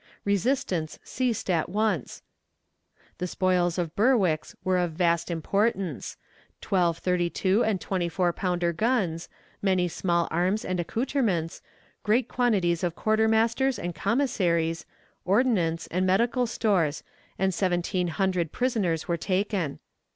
Resistance ceased at once. The spoils of Berwick's were of vast importance. Twelve thirty two and twenty four pounder guns, many small arms and accouterments, great quantities of quartermaster's and commissary's, ordnance, and medical stores, and seventeen hundred prisoners were taken.